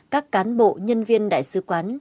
các cán bộ nhân viên đại sứ quán